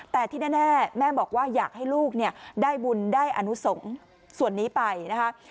แต่ที่แน่แม่บอกว่าอยากให้ลูกได้บุญได้อนุสงฆ์ส่วนนี้ไปนะคะ